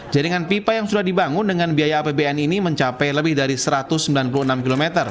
jaringan pipa yang sudah dibangun dengan biaya apbn ini mencapai lebih dari satu ratus sembilan puluh enam km